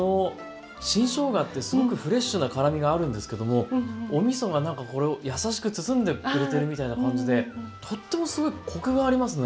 新しょうがってすごくフレッシュな辛みがあるんですけどもおみそがなんかこれを優しく包んでくれてるみたいな感じでとってもすごいコクがありますね。